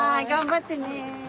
頑張ってね。